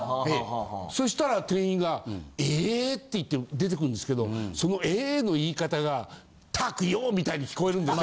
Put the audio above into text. そしたら店員が「え」って言って出てくるんですけどその「え」の言い方が「ったくよ」みたいに聞こえるんですよ